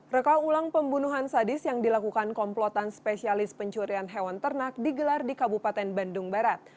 reka ulang pembunuhan sadis yang dilakukan komplotan spesialis pencurian hewan ternak digelar di kabupaten bandung barat